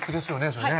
それね